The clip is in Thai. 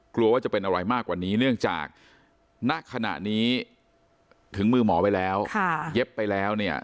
กลัวว่าจะเป็นอะไรมากกว่านี้เนื่องจากณขณะนี้ถึงมือหมอไว้แล้วเย็บไปแล้วเนี่ย